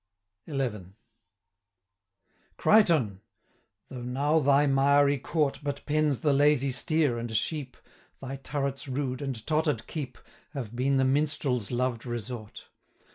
XI. Crichtoun! though now thy miry court But pens the lazy steer and sheep, 210 Thy turrets rude, and totter'd Keep, Have been the minstrel's loved resort.